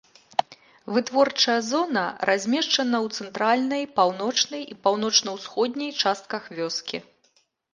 Вытворчая зона размешчана ў цэнтральнай, паўночнай і паўночна-ўсходняй частках вёскі.